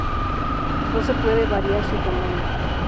No se puede variar su tamaño.